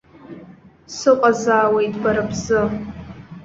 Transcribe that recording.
Сыҟазаауеит бара бзы.